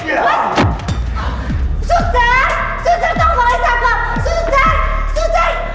susar susar tolong panggil satpam susar susar